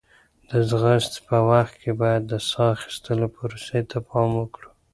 د ځغاستې په وخت کې باید د ساه اخیستو پروسې ته پام وکړو.